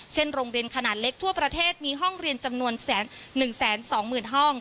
โรงเรียนขนาดเล็กทั่วประเทศมีห้องเรียนจำนวน๑๒๐๐๐ห้อง